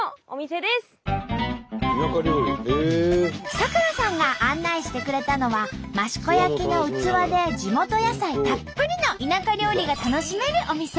咲楽さんが案内してくれたのは益子焼の器で地元野菜たっぷりの田舎料理が楽しめるお店。